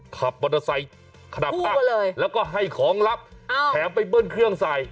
ขับมอเตอร์ไซค์ขนับแล้วก็ให้ของลับแถมไปเบิ้ลเครื่องใส่